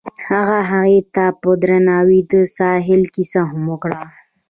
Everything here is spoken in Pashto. هغه هغې ته په درناوي د ساحل کیسه هم وکړه.